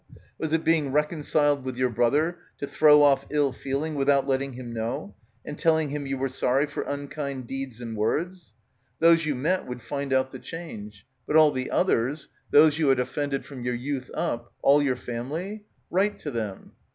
Was it being reconciled with your brother to throw off ill feeling without letting him know and tell ing him you were sorry for unkind deeds and words? Those you met would find out the — 141 — PILGRIMAGE change ; but all the others — those you had offended from your youth up — all your family? Write to them.